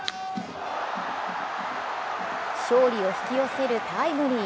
勝利を引き寄せるタイムリー。